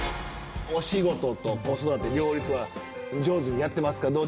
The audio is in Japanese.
お仕事と子育ての両立は、上手にやってますか？